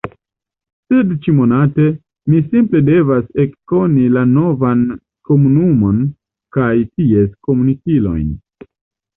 Sed ĉi–momente, mi simple devas ekkoni la novan komunumon kaj ties komunkilojn.